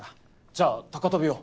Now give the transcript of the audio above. じゃあ高飛びを？